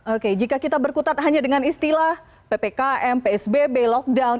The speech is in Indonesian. oke jika kita berkutat hanya dengan istilah ppkm psbb lockdown